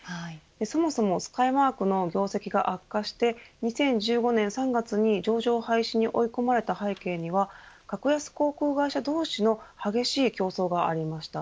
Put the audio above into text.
そもそも、スカイマークの業績が悪化して２０１５年３月に上場廃止に追い込まれた背景には格安航空会社同士の激しい競争がありました。